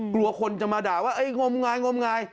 กลัวคนจะมาด่าว่างมงายงมงาย